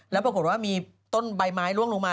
แล้วปรากฏว่ามีต้นใบไม้ล่วงลงมา